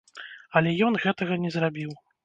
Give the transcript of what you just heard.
Але ён гэтага не зрабіў.